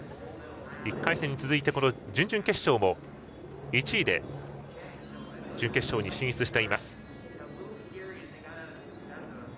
１回戦に続いて準々決勝も１位で準決勝に進出しています。